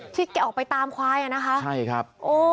แกออกไปตามควายอ่ะนะคะใช่ครับ